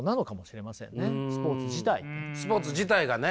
スポーツ自体がね。